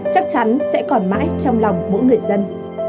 chắc chắn sẽ còn mãi trong lòng mỗi người dân